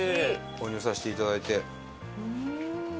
購入させていただいて。